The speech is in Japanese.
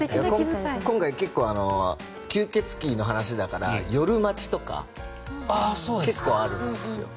今回、結構吸血鬼の話だから夜待ちとか結構あるんですよ。